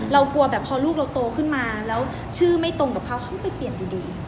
เรากลัวแบบพอลูกเราโตขึ้นมาแล้วชื่อไม่ตรงกับเขาเขาก็ไปเปลี่ยนดี